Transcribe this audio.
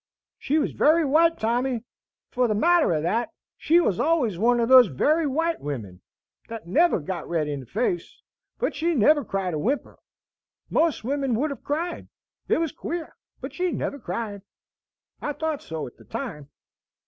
She was very white, Tommy, for the matter o' that, she was always one o' these very white women, that never got red in the face, but she never cried a whimper. Most wimin would have cried. It was queer, but she never cried. I thought so at the time.